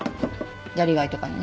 やりがいとかにね。